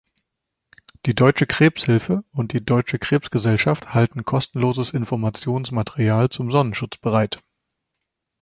Die Deutsche Krebshilfe und die Deutsche Krebsgesellschaft halten kostenloses Informationsmaterial zum Sonnenschutz bereit.